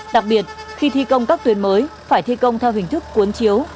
đặc biệt khi thi công các tuyến mới phải thi công theo hình thức cuốn chiếu